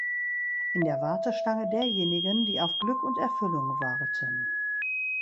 In der Warteschlange derjenigen, die auf Glück und Erfüllung warten.